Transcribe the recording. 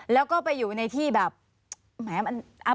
แล้วก็ไปอยู่ในที่แบบ